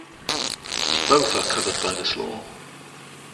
Both are covered by this law.